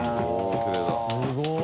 すごい。